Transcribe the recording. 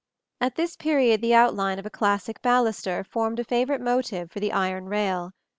At this period the outline of a classic baluster formed a favorite motive for the iron rail.